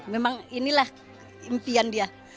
memang inilah impian dia